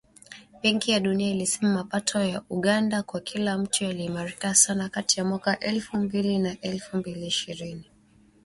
Benki ya Dunia ilisema mapato ya Uganda kwa kila mtu yaliimarika sana kati ya mwaka elfu mbili na elfu mbili ishirini.